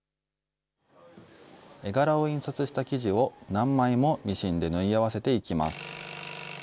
絵柄を印刷した生地を何枚もミシンで縫い合わせていきます。